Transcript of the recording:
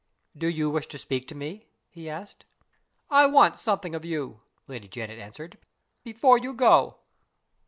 "Do you wish to speak to me?" he asked. "I want something of you," Lady Janet answered, "before you go."